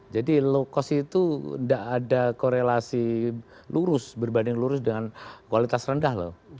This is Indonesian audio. jadi low cost itu tidak ada korelasi lurus berbanding lurus dengan kualitas rendah loh